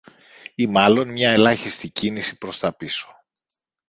Ή μάλλον μια ελάχιστη κίνηση προς τα πίσω